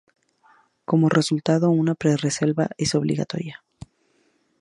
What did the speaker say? Como resultado, una pre-reserva es obligatoria.